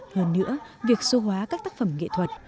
hơn nữa việc sô hóa các tác phẩm nghệ thuật